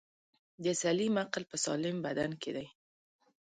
دسلیم عقل په سالم بدن کی دی.